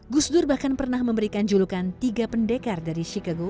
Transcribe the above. gus dur bahkan pernah memberikan julukan tiga pendekar dari chicago